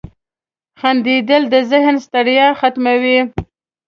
• خندېدل د ذهن ستړیا ختموي.